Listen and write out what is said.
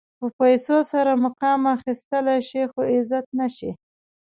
په پیسو سره مقام اخيستلی شې خو عزت نه شې.